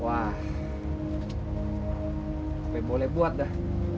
tapi boleh buat dah